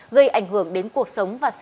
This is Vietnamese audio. gây ảnh hưởng đến cuộc sát